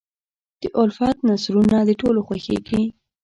د الفت نثرونه د ټولو خوښېږي.